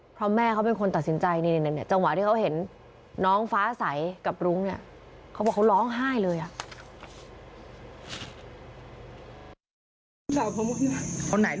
เพราะแม่เขาเป็นคนตัดสินใจในจังหวะที่เขาเห็นน้องฟ้าใสกับลุ้งเนี่ย